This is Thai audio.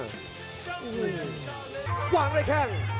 ห์หวังเลยแค่ง